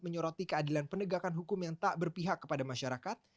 menyoroti keadilan penegakan hukum yang tak berpihak kepada masyarakat